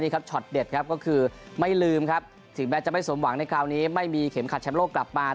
ก็คือไม่ลืมครับถึงแม้จะไม่สมหวังในคราวนี้ไม่มีเข็มขัดแชมโลกกลับมา